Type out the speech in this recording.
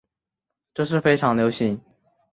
这是非常流行。